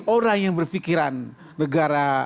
orang yang berpikiran negara